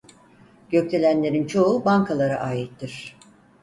Gökdelenlerin çoğu bankalara aittir.